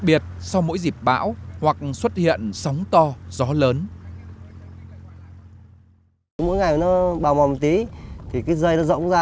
biệt sau mỗi dịp bão hoặc xuất hiện sóng to gió lớn mỗi ngày nó bào mòm tí thì cái dây nó rỗng ra